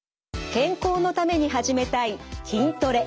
健康のために始めたい筋トレ。